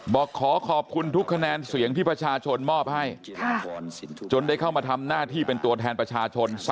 บอกขอขอบคุณทุกคะแนนเสียงที่ประชาชนมอบให้จนได้เข้ามาทำหน้าที่เป็นตัวแทนประชาชน